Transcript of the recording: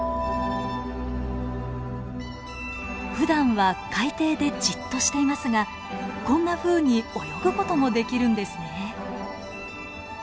ふだんは海底でじっとしていますがこんなふうに泳ぐ事もできるんですね。